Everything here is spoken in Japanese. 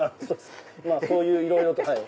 そういういろいろと。